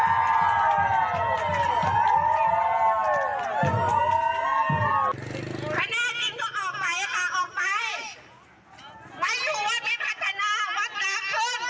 ข้ามันต่อมีข้ารักษานี้ไปดูในโซเชียล